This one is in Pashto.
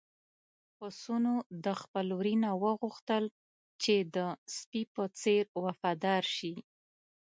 پسونو د خپل وري نه وغوښتل چې د سپي په څېر وفادار شي.